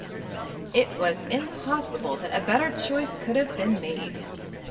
It was impossible that a better choice could have been made.